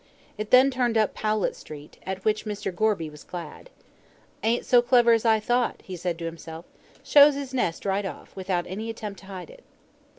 It then turned up Powlett Street, at which Mr. Gorby was glad. "Ain't so clever as I thought," he said to himself. "Shows his nest right off, without any attempt to hide it."